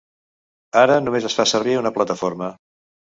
Ara només es fa servir una plataforma.